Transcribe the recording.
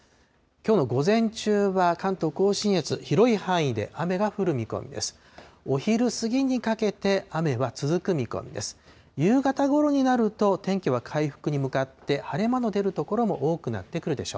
きょうの午前中は、関東甲信越、広い範囲で雨が降る見込みです。